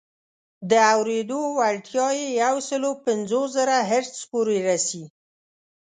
د اورېدو وړتیا یې یو سل پنځوس زره هرتز پورې رسي.